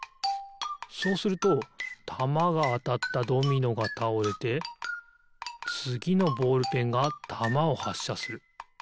そうするとたまがあたったドミノがたおれてつぎのボールペンがたまをはっしゃする。